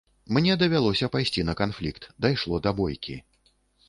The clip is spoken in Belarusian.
Мне давялося пайсці на канфлікт, дайшло да бойкі.